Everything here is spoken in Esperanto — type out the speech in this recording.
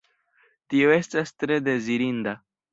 Tio estas tre dezirinda.